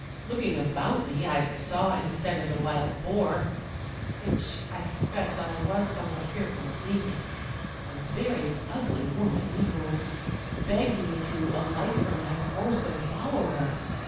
Looking about me, I saw, instead of the wild boar, which I confess I was somewhat fearful of meeting, a very ugly woman, who begged me to alight from my horse and follow her.